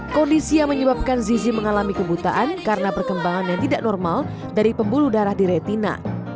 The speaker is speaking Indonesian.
kondisi yang menyebabkan zizi mengalami kebutaan karena perkembangan yang tidak normal dari pembuluh darah di retina